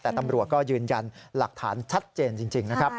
แต่ตำรวจก็ยืนยันหลักฐานชัดเจนจริงนะครับ